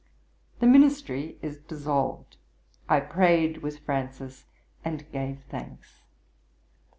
The Ministry is dissolved. I prayed with Francis and gave thanks.'